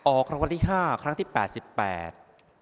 ออกคำวัติห้าครั้งที่แปดสิบแปด